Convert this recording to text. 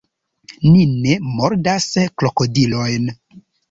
Ni ne mordas krokodilojn.